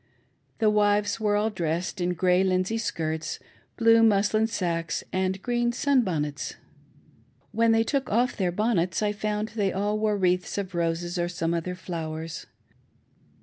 The wives were all dressed in grey linsey skirts^ blue muslin sacques, and green sunbonnets. When they took off their bonnets I found that they all wore wreaths of roses or some other flowers.